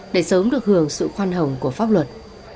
để sớm được hưởng sự khoan hồng của pháp luật